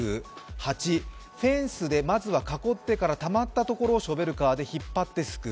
８、フェンスでまずは囲ってからたまったところをショベルカーで引っ張ってすくう。